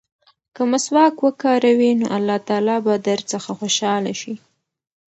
که مسواک وکاروې نو الله تعالی به درڅخه خوشحاله شي.